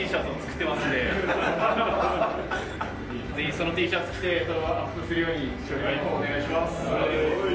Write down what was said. そのＴシャツ着てアップするようにお願いします。